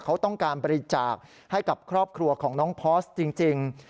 เขาต้องการบริจาคให้กับครอบครัวของน้องพอร์สจริง